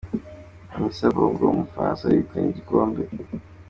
Amisa Bongo Umufaransa yegukanye igikombe